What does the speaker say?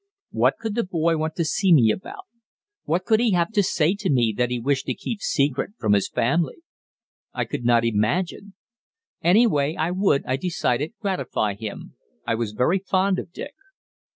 What could the boy want to see me about? What could he have to say to me that he wished to keep secret from his family? I could not imagine. Anyway, I would, I decided, gratify him I was very fond of Dick.